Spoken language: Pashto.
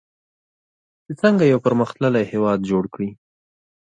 چې څنګه یو پرمختللی هیواد جوړ کړي.